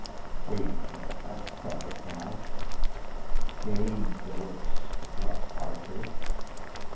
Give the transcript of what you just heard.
Wait a minute, I've got it now! Dane Phillips, not Arthur!